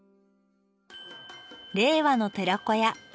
令和の寺子屋